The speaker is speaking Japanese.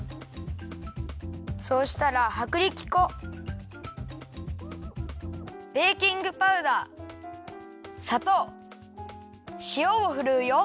そうしたらはくりき粉ベーキングパウダーさとうしおをふるうよ。